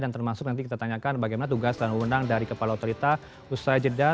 dan termasuk nanti kita tanyakan bagaimana tugas dan undang dari kepala otorita usra jeddah